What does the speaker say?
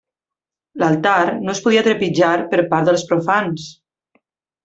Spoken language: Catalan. L'altar no es podia trepitjar per part dels profans.